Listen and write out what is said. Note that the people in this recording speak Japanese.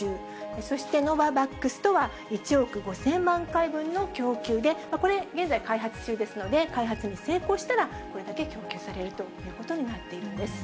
そしてノババックスとは１億５０００万回分の供給で、これ現在、開発中ですので、開発に成功したら、これだけ供給されるということになっているんです。